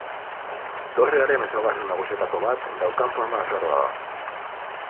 Dorrearen ezaugarri nagusietako bat, daukan forma arraroa da.